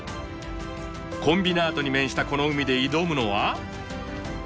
コンビナートに面したこの海で挑むのは？